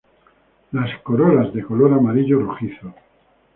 Las corolas de color amarillo rojizo.